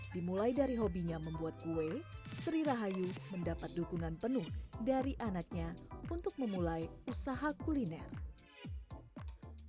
dimulai dari hobinya membuat kue sri rahayu mendapat dukungan penuh dari anaknya untuk memulai usaha kuliner